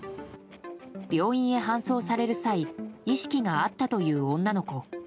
病院へ搬送される際意識があったという女の子。